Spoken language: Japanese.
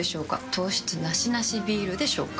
糖質ナシナシビールでしょうか？